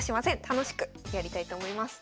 楽しくやりたいと思います。